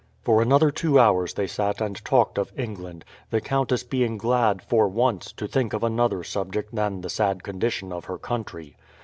For another two hours they sat and talked of England, the countess being glad, for once, to think of another subject than the sad condition of her country.